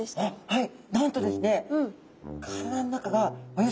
はい。